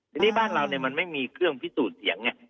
ทีนี้บ้านเราไม่มีเครื่องพิสูจน์เสียง